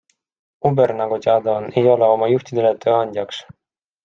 Uber, nagu teada on, ei ole oma juhtidele tööandjaks.